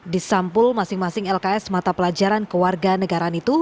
di sampul masing masing lks mata pelajaran kewarga negara itu